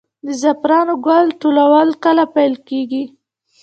د زعفرانو ګل ټولول کله پیل کیږي؟